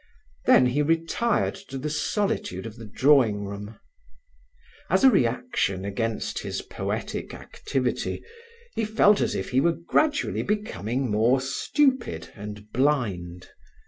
Then he retired to the solitude of the drawing room. As a reaction against his poetic activity, he felt as if he were gradually becoming more stupid and blind.